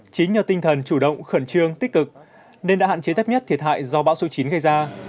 chính nhờ tinh thần chủ động khẩn trương tích cực nên đã hạn chế thấp nhất thiệt hại do bão số chín gây ra